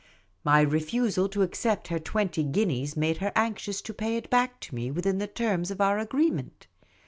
My refusal to accept her twenty guineas made her anxious to pay it back to me within the terms of our agreement.